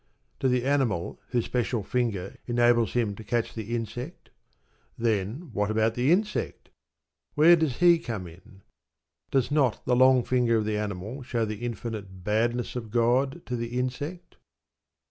To the animal whose special finger enables him to catch the insect? Then what about the insect? Where does he come in? Does not the long finger of the animal show the infinite badness of God to the insect?